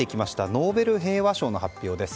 ノーベル平和賞の発表です。